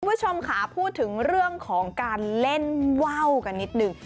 คุณผู้ชมค่ะพูดถึงเรื่องของการเล่นว่าวกันนิดนึง